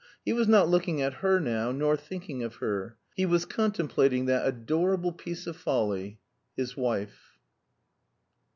He was not looking at her now, nor thinking of her. He was contemplating that adorable piece of folly, his wife.